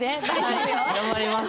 はい頑張ります。